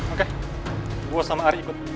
oke gue sama ari ikut